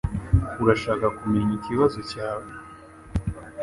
Urashaka kumenya ikibazo cyawe?